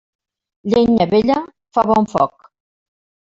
Llenya vella fa bon foc.